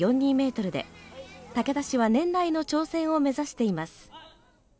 ｍで、竹田市は、年内の挑戦を目指しています。